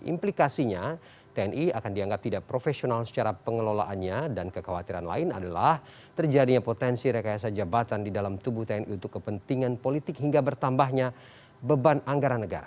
implikasinya tni akan dianggap tidak profesional secara pengelolaannya dan kekhawatiran lain adalah terjadinya potensi rekayasa jabatan di dalam tubuh tni untuk kepentingan politik hingga bertambahnya beban anggaran negara